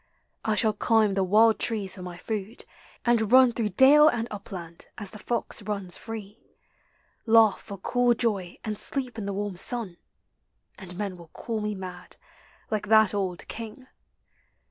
I shall climb The wild trees for my food, and run Through dale and upland as the fox runs free, Laugh for cool joy and sleep T the warm sun, And men will call me mad, like that old King.